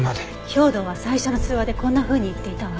兵働は最初の通話でこんなふうに言っていたわ。